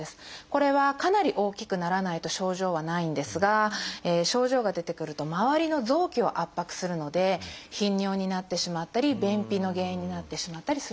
これはかなり大きくならないと症状はないんですが症状が出てくると周りの臓器を圧迫するので頻尿になってしまったり便秘の原因になってしまったりすることがあります。